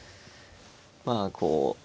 まあこう。